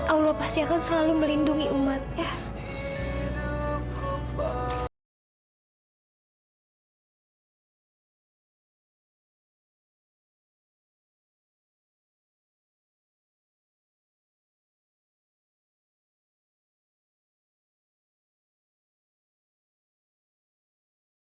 allah pasti akan selalu melindungi umatnya